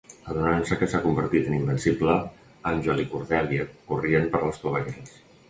Adonant-se que s'ha convertit en invencible, Angel i Cordelia corrien per les clavegueres.